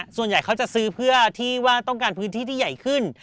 ส่วนใหญ่เขาจะซื้อเพื่อที่ว่าต้องการพื้นที่ที่ใหญ่ขึ้น